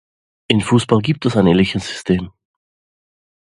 Im Fußball gibt es ein ähnliches System.